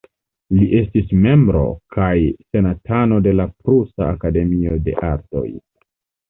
Li estis membro kaj senatano de la Prusa Akademio de Artoj.